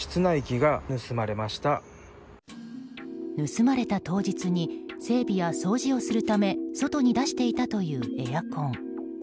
盗まれた当日に整備や掃除をするため外に出していたというエアコン。